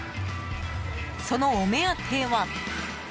そのお目当ては。